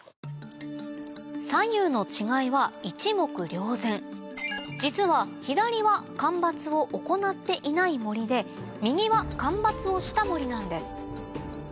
左右の違いは一目瞭然実は左は間伐を行っていない森で右は間伐をした森なんです